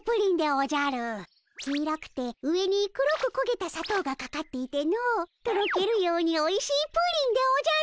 黄色くて上に黒くこげたさとうがかかっていてのとろけるようにおいしいプリンでおじゃる！